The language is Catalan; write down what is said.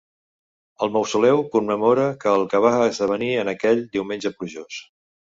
El mausoleu commemora que el que va esdevenir en aquell diumenge plujós.